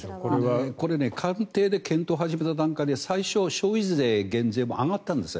これ、官邸で検討を始めた段階で最初、消費税減税も挙がったんです。